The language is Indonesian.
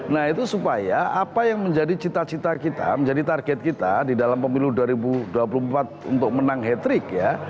nah itu supaya apa yang menjadi cita cita kita menjadi target kita di dalam pemilu dua ribu dua puluh empat untuk menang hat trick ya